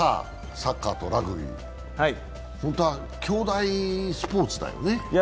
サッカーとラグビー、本当は兄弟スポーツだよね。